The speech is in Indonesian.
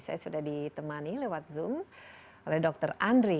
saya sudah ditemani lewat zoom oleh dr andri